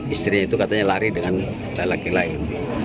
istrinya itu katanya lari dengan lelaki lain